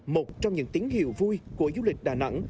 một trong những tiếng hiệu vui của du lịch đà nẵng